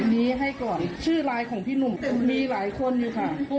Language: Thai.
นี้ให้ก่อนชื่อไลน์ของพี่หนุ่มมีหลายคนอยู่ค่ะ